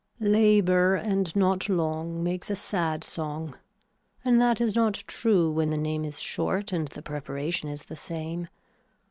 Labor and not long makes a sad song and that is not true when the name is short and the preparation is the same.